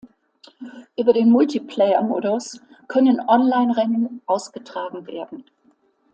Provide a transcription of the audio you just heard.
Über den Multiplayer-Modus können Online-Rennen ausgetragen werden.